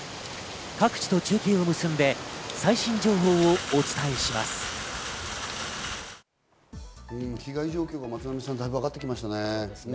各地と中継を結んで最新情報をお伝えします。